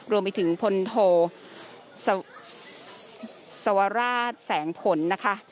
รวมไปถึงพลโทสวราชแสงผลนะคะ